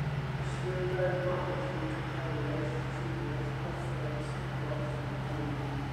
Ystyr y gair maeth yw cynhaliaeth, lluniaeth, porthiant, ymborth neu fwyd.